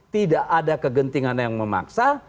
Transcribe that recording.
tidak ada kegentingan yang memaksa